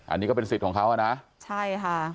อันนี้ก็เป็นสิทธิ์ของเขาอ่ะนะใช่ค่ะ